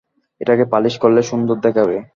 এটাকে পালিশ করলে সুন্দর দেখাবে।